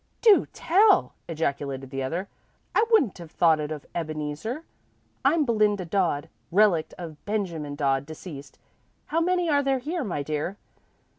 "Do tell!" ejaculated the other. "I wouldn't have thought it of Ebeneezer. I'm Belinda Dodd, relict of Benjamin Dodd, deceased. How many are there here, my dear?"